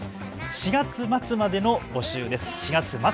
４月末までの募集です。